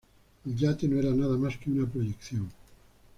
El yate no era nada más que una proyección.